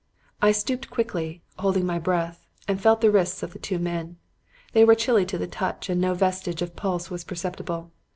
"I stooped quickly, holding my breath, and felt the wrists of the two men. They were chilly to the touch and no vestige of pulse was perceptible.